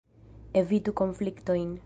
Evitu konfliktojn!